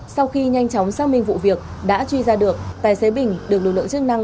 sau khi nhanh chóng xác minh vụ việc đã truy ra được tài xế bình được lực lượng chức năng